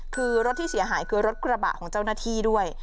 คือรถที่เสียหายคือรถกระบะของเจ้าหน้าที่ด้วย